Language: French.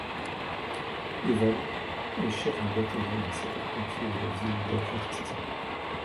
Evans est Chef de Bataillon des Sapeurs-Pompiers de la ville d'Atlantic City.